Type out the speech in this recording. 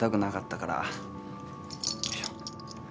よいしょ。